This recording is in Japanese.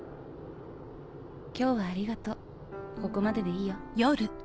今日はありがとうここまででいいよ。